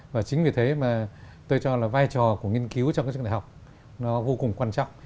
và chính vì thế mà tôi cho là vai trò của nghiên cứu trong các trường đại học nó vô cùng quan trọng